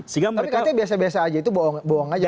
tapi katanya biasa biasa aja itu bohong aja